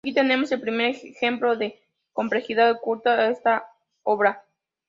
Aquí tenemos el primer ejemplo de complejidad oculta de esta obra.